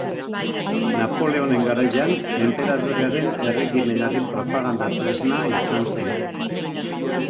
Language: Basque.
Napoleonen garaian, enperadorearen erregimenaren propaganda tresna izan zen.